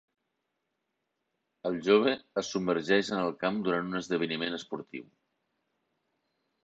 El jove es submergeix en el camp durant un esdeveniment esportiu.